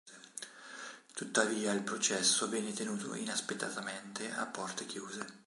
Tuttavia, il processo venne tenuto inaspettatamente a porte chiuse.